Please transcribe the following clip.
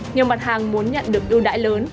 nhưng mặt hàng muốn nhận được ưu đãi lớn